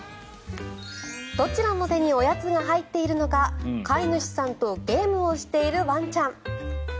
どちらの手におやつが入っているのか飼い主さんとゲームをしているワンちゃん。